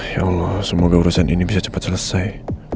ya allah semoga urusan ini bisa cepat selesai